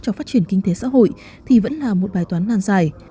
cho phát triển kinh tế xã hội thì vẫn là một bài toán nàn dài